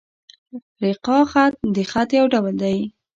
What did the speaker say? رِقاع خط؛ د خط یو ډول دﺉ.